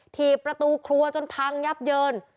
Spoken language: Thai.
ถีบประตูครัวจนพังยับเยิน